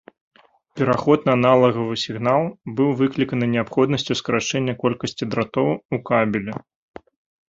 Пераход на аналагавы сігнал быў выкліканы неабходнасцю скарачэння колькасці дратоў у кабелі.